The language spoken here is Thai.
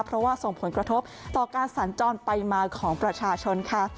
เพราะว่าส่งผลกระทบต่อการสัญจรไปมาของประชาชนค่ะ